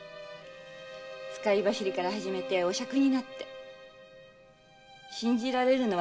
使い走りから始めて御酌になって信じられるのは自分だけだった。